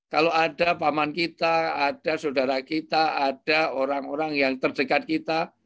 kalau ada paman kita ada saudara kita ada orang orang yang terdekat kita